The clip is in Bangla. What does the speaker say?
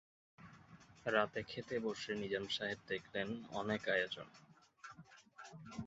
রাতে খেতে বসে নিজাম সাহেব দেখলেন, অনেক আয়োজন।